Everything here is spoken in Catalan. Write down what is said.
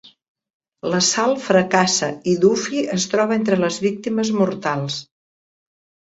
L'assalt fracassa i Duffy es troba entre les víctimes mortals.